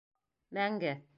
Мәңге!